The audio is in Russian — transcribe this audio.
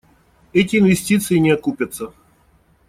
Эти инвестиции не окупятся.